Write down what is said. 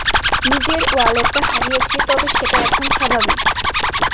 নিজের ওয়ালেটটা হারিয়েছি, তবে সেটা এখন স্বাভাবিক।